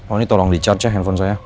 oh ini tolong di charge ya handphone saya